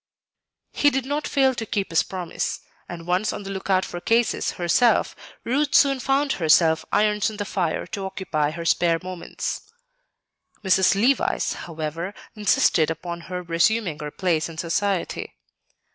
He did not fail to keep his promise; and once on the lookout for "cases" herself, Ruth soon found enough irons in the fire to occupy her spare moments. Mrs. Levice, however, insisted upon her resuming her place in society.